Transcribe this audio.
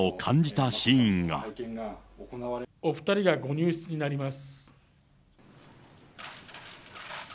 お２人がご入室になります。